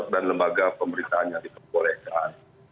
dan lembaga pemerintahnya diperbolehkan